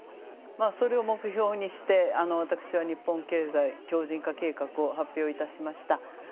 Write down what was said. それを目標にして私は日本経済強靭化計画を発表致しました。